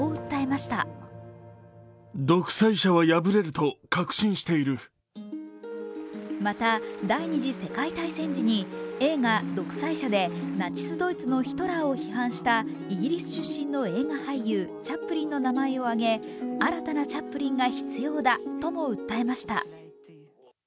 また、第二次世界大戦時に映画「独裁者」でナチス・ドイツのヒトラーを批判したイギリス出身の映画俳優・チャップリンの名前を挙げ新たなチャップリンが必要だとも訴えました。